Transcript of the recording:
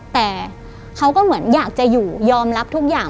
แต่เขาก็เหมือนอยากจะอยู่ยอมรับทุกอย่าง